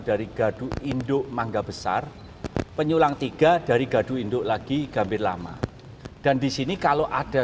dari gadu induk mangga besar penyulang tiga dari gadu induk lagi gambir lama dan disini kalau ada